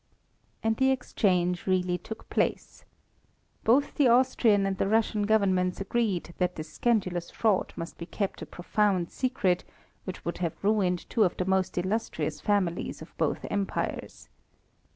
And the exchange really took place. Both the Austrian and the Russian Governments agreed that this scandalous fraud must be kept a profound secret, which would have ruined two of the most illustrious families of both empires.